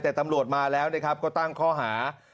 แต่ตำรวจมาแล้วนะครับก็ตั้งข้อหา